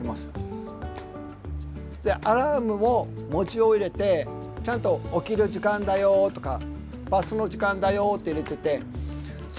アラームも文字を入れてちゃんと「起きる時間だよ」とか「バスの時間だよ」って入れててそしてバスに乗り込む。